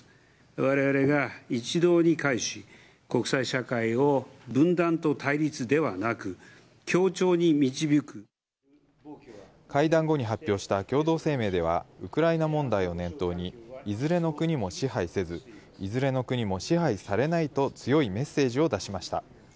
われわれが一堂に会し、国際社会を分断と対立ではなく、会談後に発表した共同声明では、ウクライナ問題を念頭に、いずれの国も支配せず、いずれの国も支配されないと強いメッセージを出しました。